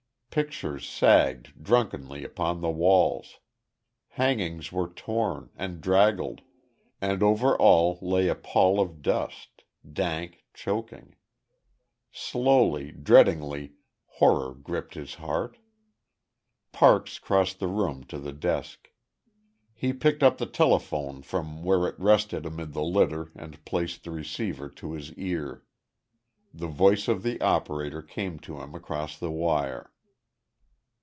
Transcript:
Pictures sagged drunkenly upon the walls; hangings were torn, and draggled, and over all lay a pall of dust, dank, choking. Slowly, dreadingly, horror gripping his heart, Parks crossed the room to the desk. He picked up the telephone from where it rested amid the litter and placed the receiver to his ear. The voice of the operator came to him across the wire.